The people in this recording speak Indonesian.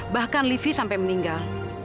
bahkan livi sampai meninggal